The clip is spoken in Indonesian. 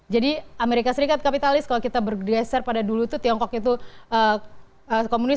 jadi amerika serikat kapitalis kalau kita bergeser pada dulu itu tiongkok itu komunis